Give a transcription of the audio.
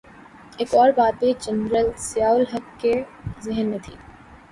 ایک اور بات بھی جنرل ضیاء الحق کے ذہن میں تھی۔